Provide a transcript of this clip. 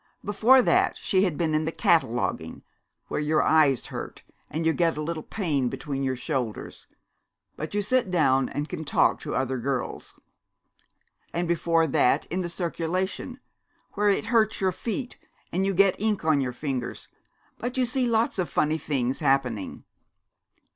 Before that she had been in the Cataloguing, where your eyes hurt and you get a little pain between your shoulders, but you sit down and can talk to other girls; and before that in the Circulation, where it hurts your feet and you get ink on your fingers, but you see lots of funny things happening.